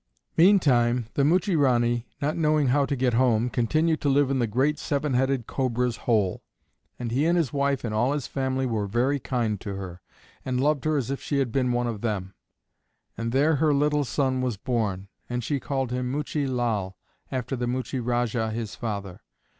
Meantime, the Muchie Ranee, not knowing how to get home, continued to live in the great Seven headed Cobra's hole, and he and his wife and all his family were very kind to her, and loved her as if she had been one of them; and there her little son was born, and she called him Muchie Lal, after the Muchie Rajah, his father.